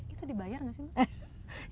itu dibayar gak sih